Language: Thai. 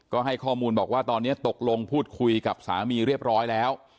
ก็ให้ข้อมูลบอกว่าตอนนี้ตกลงพูดคุยกับสามีเรียบร้อยแล้ว